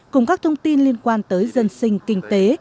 cùng các thông tin liên quan tới dân sinh kinh tế